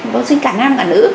vô sinh cả nam cả nữ